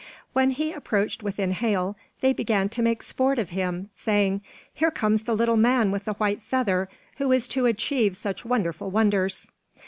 "When he approached within hail, they began to make sport of him, saying: "Here comes the little man with the white feather, who is to achieve such wonderful wonders."